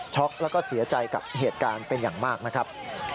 แล้วก็เสียใจกับเหตุการณ์เป็นอย่างมากนะครับ